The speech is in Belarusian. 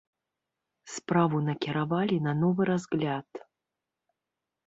Справу накіравалі на новы разгляд.